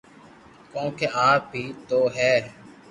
ڪونڪھ آپ ھي تو ھي